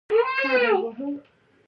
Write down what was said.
د غنمو لو په اوړي کې پیلیږي.